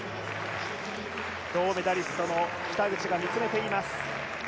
銅メダリストの北口が見つめています。